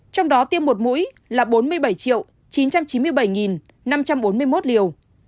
trong đó tiêm một mũi là bốn mươi bảy chín trăm chín mươi bảy năm trăm bốn mươi một liều